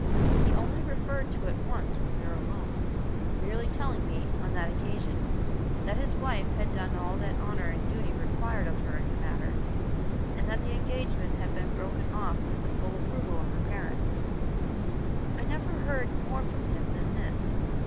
He only referred to it once when we were alone, merely telling me, on that occasion, that his wife had done all that honor and duty required of her in the matter, and that the engagement had been broken off with the full approval of her parents. I never heard more from him than this.